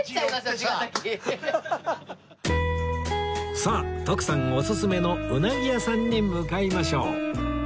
さあ徳さんオススメのうなぎ屋さんに向かいましょう